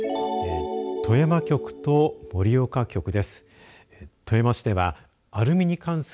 富山局と盛岡局です。